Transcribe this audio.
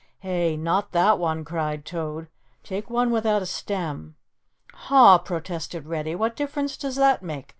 "Hey, not that one," cried Toad, "take one without a stem." "Huh," protested Reddy, "what difference does that make?